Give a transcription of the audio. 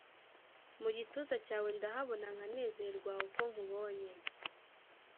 mugituza cyawe ndahabona nkanezerwa uko nkubonye